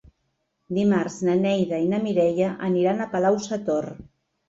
Dimarts na Neida i na Mireia aniran a Palau-sator.